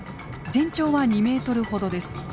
全長は２ｍほどです。